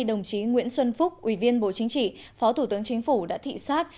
đồng chí nguyễn xuân phúc ủy viên bộ chính trị phó thủ tướng chính phủ đã thị xát